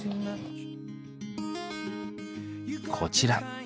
こちら。